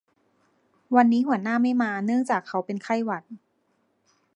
วันนี้หัวหน้าไม่มาเนื่องจากเขาเป็นไข้หวัด